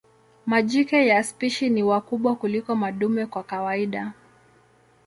Majike ya spishi ni wakubwa kuliko madume kwa kawaida.